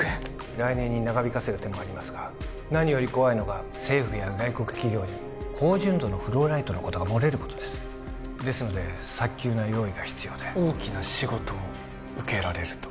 来年に長引かせる手もありますが何より怖いのが政府や外国企業に高純度のフローライトのことが漏れることですですので早急な用意が必要で大きな仕事を受けられると？